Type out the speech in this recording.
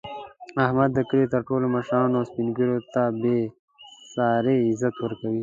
احمد د کلي ټولو مشرانو او سپین ږېرو ته بې ساري عزت ورکوي.